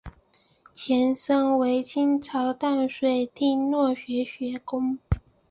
前身为清朝淡水厅儒学学宫。